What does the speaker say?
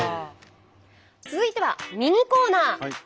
続いてはミニコーナー。